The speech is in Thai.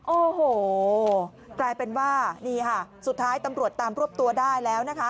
โอ้โหกลายเป็นว่านี่ค่ะสุดท้ายตำรวจตามรวบตัวได้แล้วนะคะ